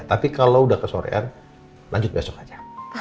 tapi kalau udah ke sorean lanjut besok aja